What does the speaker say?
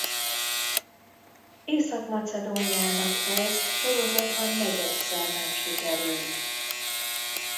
Észak-Macedóniának ez sorozatban negyedszer nem sikerült.